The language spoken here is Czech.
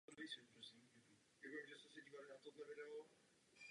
Jágr v utkání třikrát asistoval.